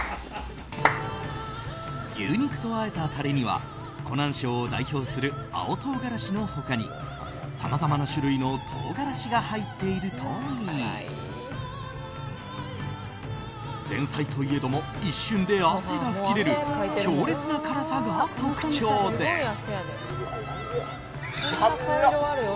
牛肉とあえたタレには湖南省を代表する青唐辛子の他にさまざまな種類の唐辛子が入っているといい前菜といえども一瞬で汗が噴き出る強烈な辛さが特徴です。